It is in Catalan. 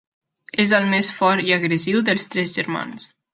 És el més fort i agressiu dels tres germans.